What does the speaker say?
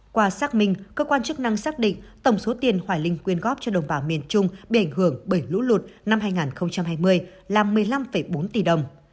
qua xác minh cơ quan chức năng xác định tổng số tiền hoài linh quyên góp cho đồng bào miền trung bị ảnh hưởng bởi lũ lụt năm hai nghìn hai mươi là một mươi năm bốn tỷ đồng